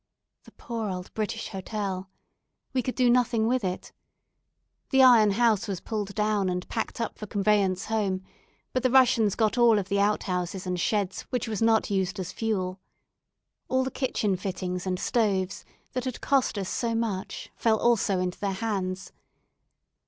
The poor old British Hotel! We could do nothing with it. The iron house was pulled down, and packed up for conveyance home, but the Russians got all of the out houses and sheds which was not used as fuel. All the kitchen fittings and stoves, that had cost us so much, fell also into their hands.